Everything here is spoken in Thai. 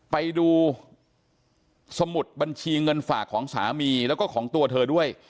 ไปดูสมุดบัญชีเงินฝากของสามีแล้วก็ของตัวเธอด้วย